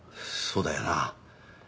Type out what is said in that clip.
そうだよな。